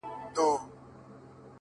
o وه ه ژوند به يې تياره نه وي،